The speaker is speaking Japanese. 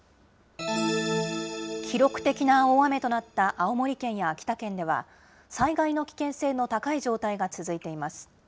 記録的な大雨となった青森県や秋田県では、災害の危険性の高い状態が続いています。